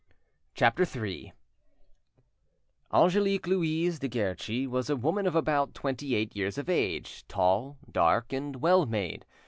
CHAPTER III ANGELIQUE LOUISE DE GUERCHI was a woman of about twenty eight years of age, tall, dark, and well made.